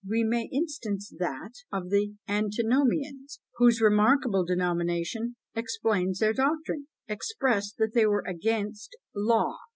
We may instance that of the Antinomians, whose remarkable denomination explains their doctrine, expressing that they were "against law!"